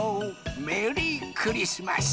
メリークリスマス。